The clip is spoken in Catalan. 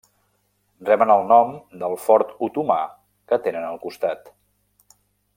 Reben el nom del fort otomà que tenen al costat.